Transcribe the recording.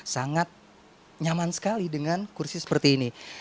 sangat nyaman sekali dengan kursi seperti ini